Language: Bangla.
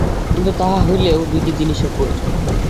কিন্তু তাহা হইলেও দুইটি জিনিষের প্রয়োজন।